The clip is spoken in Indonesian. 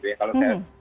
kalau saya perhatikan